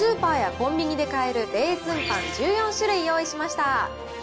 こちらにスーパーやコンビニで買えるレーズンパン１４種類用意しました。